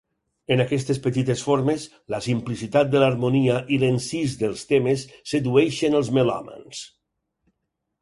En aquestes petites formes, la simplicitat de l'harmonia i l'encís dels temes sedueixen els melòmans.